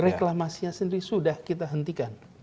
reklamasinya sendiri sudah kita hentikan